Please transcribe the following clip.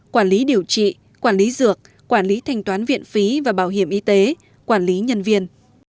quản lý điều trị quản lý dược quản lý thanh toán viện phí và bảo hiểm y tế quản lý nhân viên